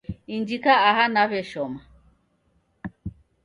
Injika aha naw'ashoma.